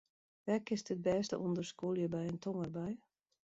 Wêr kinst it bêste ûnder skûlje by in tongerbui?